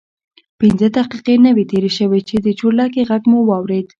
پنځه دقیقې نه وې تېرې شوې چې د چورلکې غږ مو واورېد.